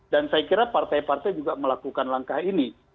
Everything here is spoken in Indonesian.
dan saya kira partai partai juga melakukan langkah ini